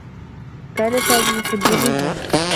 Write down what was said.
كان سامي يحبّ الرّهان.